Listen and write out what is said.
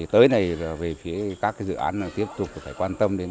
tới này về phía các dự án tiếp tục phải quan tâm đến